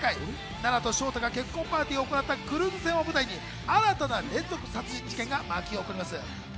菜奈と翔太が結婚パーティーを行ったクルーズ船を舞台に新たな連続殺人事件が巻き起こります。